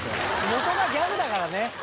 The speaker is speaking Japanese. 元がギャグだからね。